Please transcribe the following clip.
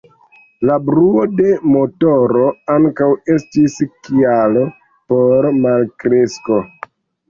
La bruo de motoro ankaŭ estis kialo por malkresko.